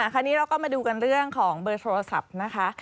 คราวนี้เราก็มาดูกันเรื่องของเบอร์โทรศัพท์นะคะ